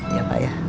ya pak ya